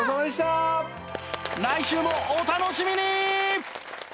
来週もお楽しみに！